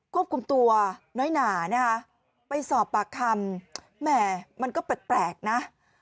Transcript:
ควบคุมตัวน้อยหนานะคะไปสอบปากคำแหม่มันก็แปลกนะ